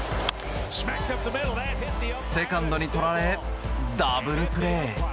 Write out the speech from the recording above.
セカンドにとられダブルプレー。